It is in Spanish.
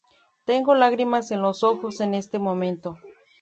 Tengo lágrimas en los ojos en este momento.